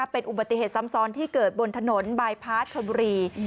เป็นอุบัติเหตุซ้ำซ้อนที่เกิดบนถนนบายพาร์ทชนบุรี